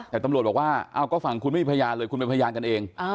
แต่ตำรวจบอกว่าเอาก็ฝั่งคุณไม่มีพยานเลยคุณเป็นพยานกันเอง